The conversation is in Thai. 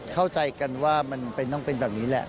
เข้าใจกันว่ามันต้องเป็นแบบนี้แหละ